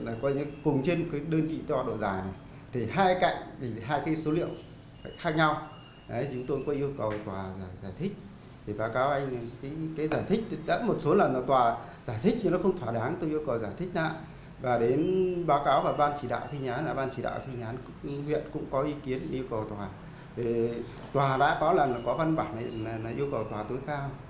bàn chỉ đạo thi hành án cũng có ý kiến yêu cầu tòa tòa đã có văn bản yêu cầu tòa tối cao xét xử thành bản án mới